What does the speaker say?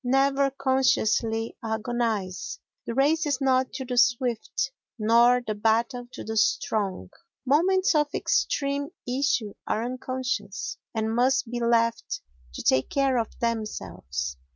Never consciously agonise; the race is not to the swift, nor the battle to the strong. Moments of extreme issue are unconscious and must be left to take care of themselves.